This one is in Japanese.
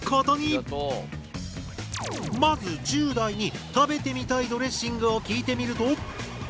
まず１０代に食べてみたいドレッシングを聞いてみると。